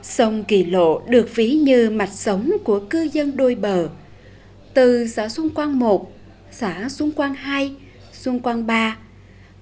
sông kỳ lộ được ví như mạch sống của cư dân đôi bờ từ xã xuân quang i xã xuân quang ii xuân quang iii